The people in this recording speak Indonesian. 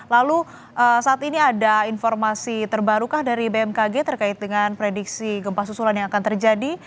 lalu saat ini ada informasi terbaru kah dari bmkg terkait dengan prediksi gempa susulan yang akan terjadi